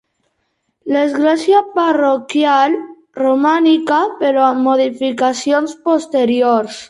L'església parroquial, romànica però amb modificacions posteriors.